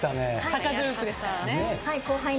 坂グループですからね。